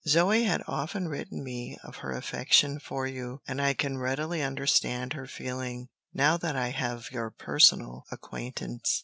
Zoe had often written me of her affection for you, and I can readily understand her feeling, now that I have your personal acquaintance.